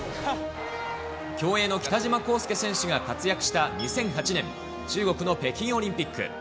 競泳の北島康介選手が活躍した２００８年、中国の北京オリンピック。